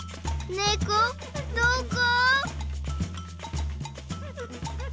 ねこどこ？